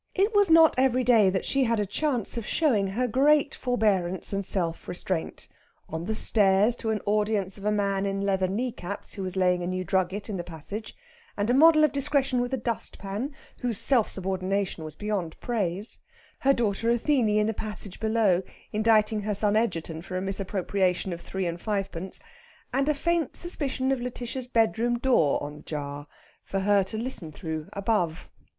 It was not every day that she had a chance of showing her great forbearance and self restraint, on the stairs to an audience of a man in leather kneecaps who was laying a new drugget in the passage, and a model of discretion with a dustpan, whose self subordination was beyond praise; her daughter Athene in the passage below inditing her son Egerton for a misappropriation of three and fivepence; and a faint suspicion of Lætitia's bedroom door on the jar, for her to listen through, above.